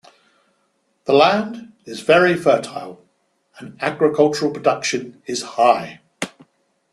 The land is very fertile and agricultural production is high.